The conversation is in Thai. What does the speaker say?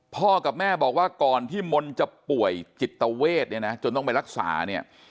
พ่อกับแม่บอกว่าก่อนที่มนต์จะป่วยจิตเวทเนี่ยนะจนต้องไปรักษาเนี่ย